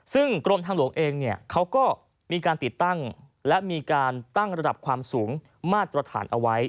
ซึ่งกรมทางหลวงเองเนี่ยเขาก็มีการติดตั้งและมีการตั้งระดับความสูงมาตรฐานเอาไว้